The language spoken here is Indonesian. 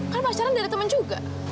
kan pacaran dari temen juga